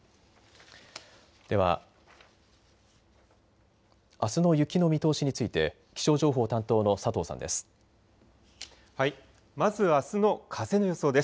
では、あすの雪の見通しについて気象情報担当の佐藤さんです。